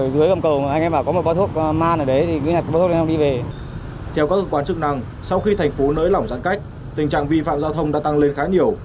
theo các cơ quan chức năng sau khi thành phố nới lỏng giãn cách tình trạng vi phạm giao thông đã tăng lên khá nhiều